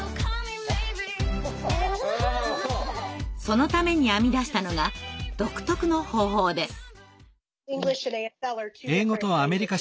そのために編み出したのが独特の方法です。